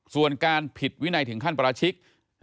ส่วนการผิดวินัยถึงขั้นประชิก